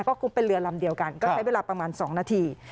เพราะกุ๊กเป็นเรือลำเดียวกันก็ใช้เวลาประมาณ๒นาที